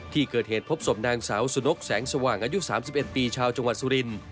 ที่เกิดเหตุพบศพนางสาวสุนกแสงสว่างอายุ๓๑ปีชาวจังหวัดสุริน